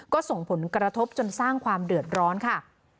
ก็ส่งผลกระทบจนสร้างความเดือดร้อนค่ะ